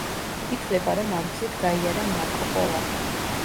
ითვლება, რომ ამ გზით გაიარა მარკო პოლომ.